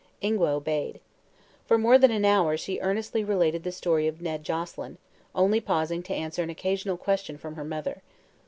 Ingua obeyed. For more than an hour she earnestly related the story of Ned Joselyn, only pausing to answer an occasional question from her mother.